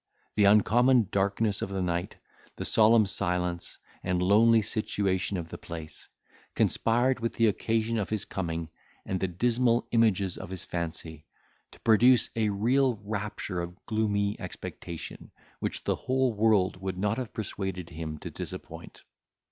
The uncommon darkness of the night, the solemn silence, and lonely situation of the place, conspired with the occasion of his coming, and the dismal images of his fancy, to produce a real rapture of gloomy expectation, which the whole world would not have persuaded him to disappoint.